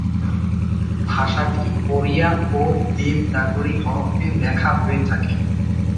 ভাষাটি ওড়িয়া ও দেবনাগরী হরফে লেখা হয়ে থাকে।